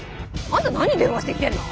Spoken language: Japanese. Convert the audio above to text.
あんた何電話してきてんの？